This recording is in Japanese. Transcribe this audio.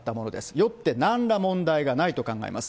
よってなんら問題がないと考えます。